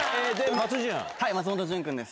松本潤君です。